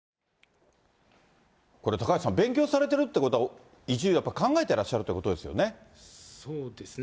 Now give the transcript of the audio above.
これ、高橋さん、勉強されてるってことは、移住、やっぱり考えてらっしゃるということですよね。